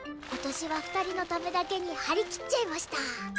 今年は二人のためだけに張り切っちゃいました。